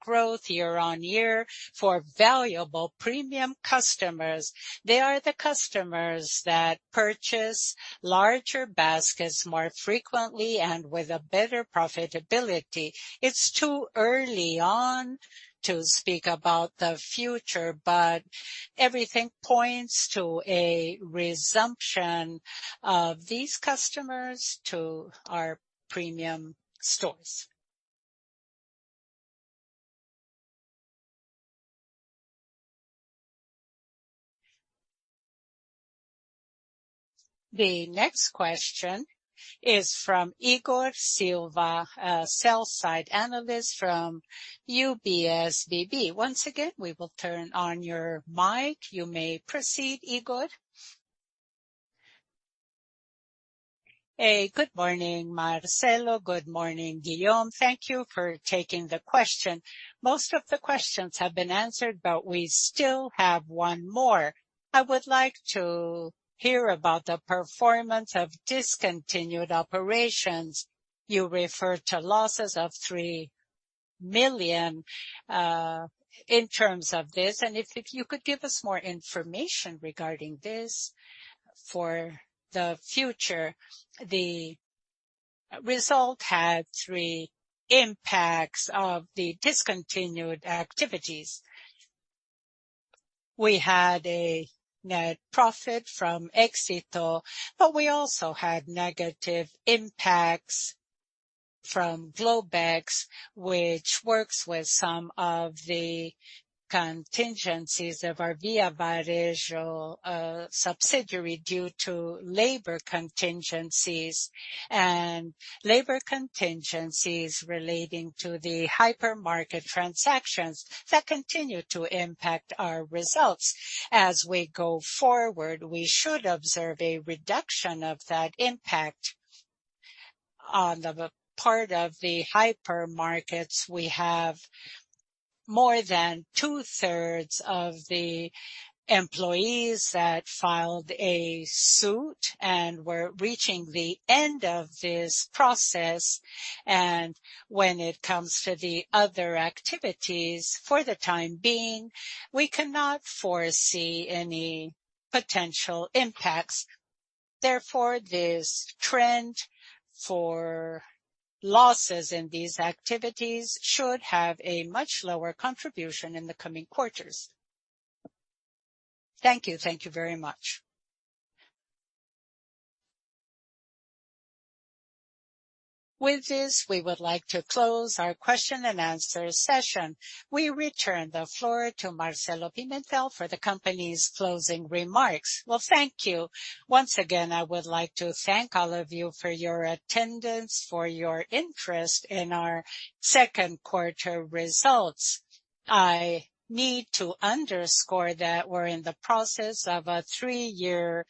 growth year-on-year for valuable premium customers. They are the customers that purchase larger baskets more frequently and with a better profitability. It's too early on to speak about the future. Everything points to a resumption of these customers to our premium stores. The next question is from Igor Silva, a sell-side analyst from UBS BB. Once again, we will turn on your mic. You may proceed, Igor. Hey, good morning, Marcelo. Good morning, Guillaume. Thank you for taking the question. Most of the questions have been answered. We still have one more. I would like to hear about the performance of discontinued operations. You referred to losses of 3 million in terms of this, if you could give us more information regarding this for the future. The result had three impacts of the discontinued activities....We had a net profit from Éxito, but we also had negative impacts from Globex, which works with some of the contingencies of our Via Varejo subsidiary due to labor contingencies and labor contingencies relating to the hypermarket transactions that continue to impact our results. As we go forward, we should observe a reduction of that impact. On the part of the hypermarkets, we have more than 2/3 of the employees that filed a suit, and we're reaching the end of this process. When it comes to the other activities, for the time being, we cannot foresee any potential impacts. Therefore, this trend for losses in these activities should have a much lower contribution in the coming quarters. Thank you. Thank you very much. With this, we would like to close our question and answer session. We return the floor to Marcelo Pimentel for the company's closing remarks. Well, thank you. I would like to thank all of you for your attendance, for your interest in our second quarter results. I need to underscore that we're in the process of a three-year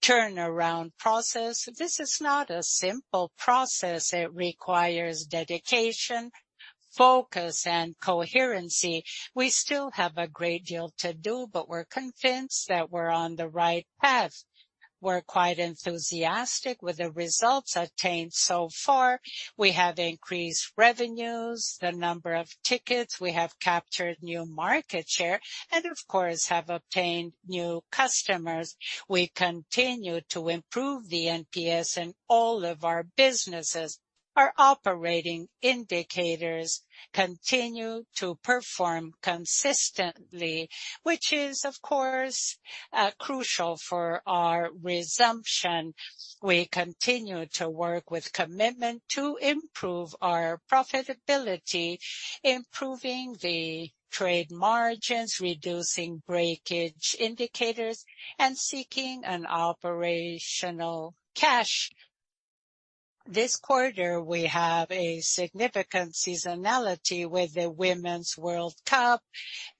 turnaround process. This is not a simple process. It requires dedication, focus, and coherency. We still have a great deal to do, we're convinced that we're on the right path. We're quite enthusiastic with the results obtained so far. We have increased revenues, the number of tickets. We have captured new market share, of course, have obtained new customers. We continue to improve the NPS in all of our businesses. Our operating indicators continue to perform consistently, which is, of course, crucial for our resumption. We continue to work with commitment to improve our profitability, improving the trade margins, reducing breakage indicators, and seeking an operational cash. This quarter, we have a significant seasonality with the Women's World Cup,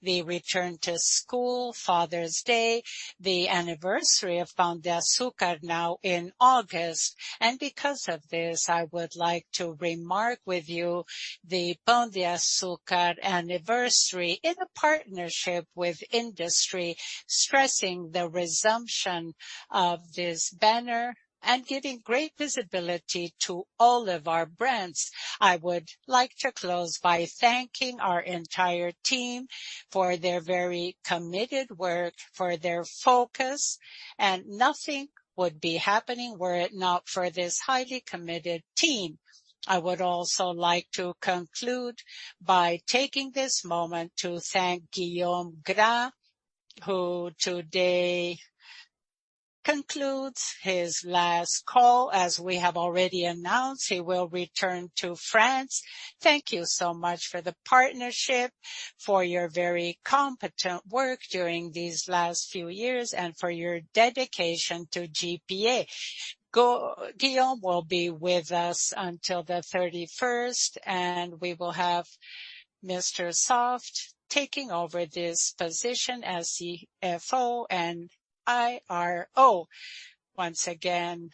the return to school, Father's Day, the anniversary of Pão de Açúcar now in August. Because of this, I would like to remark with you the Pão de Açúcar anniversary in a partnership with industry, stressing the resumption of this banner and giving great visibility to all of our brands. I would like to close by thanking our entire team for their very committed work, for their focus, and nothing would be happening were it not for this highly committed team. I would also like to conclude by taking this moment to thank Guillaume Gras, who today concludes his last call. As we have already announced, he will return to France. Thank you so much for the partnership, for your very competent work during these last few years, and for your dedication to GPA. Guillaume will be with us until the 31st. We will have Mr. Soft taking over this position as the CFO and IRO. Once again,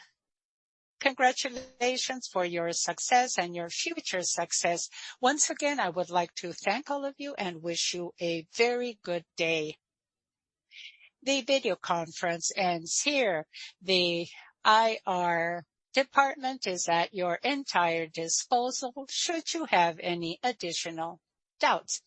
congratulations for your success and your future success. Once again, I would like to thank all of you and wish you a very good day. The video conference ends here. The IR department is at your entire disposal, should you have any additional doubts.